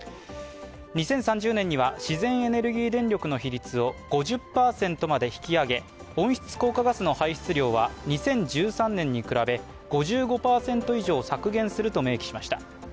２０３０年には自然エネルギー電力の比率を５０％まで引き上げ、温室効果ガスの排出量は２０１３年に比べ５０％以上削減すると明記しました。